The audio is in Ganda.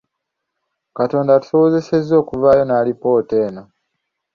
Katonda atusobozesezza okuvaayo n’alipoota eno.